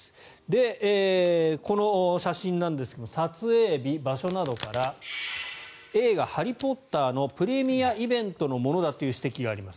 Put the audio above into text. この写真ですが撮影日、場所などから映画「ハリー・ポッター」のプレミアイベントのものだという指摘があります。